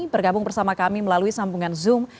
bergabung bersama kami melalui sambungan zoom